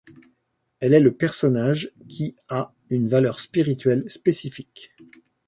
Elle est le personnage qui à une valeur spirituelle spécifique.